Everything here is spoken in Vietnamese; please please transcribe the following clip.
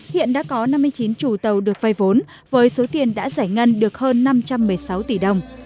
hiện đã có năm mươi chín chủ tàu được vay vốn với số tiền đã giải ngân được hơn năm trăm một mươi sáu tỷ đồng